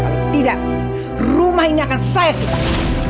kalau tidak rumah ini akan saya suka